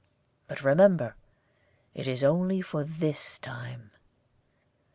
But remember, it is only for this time."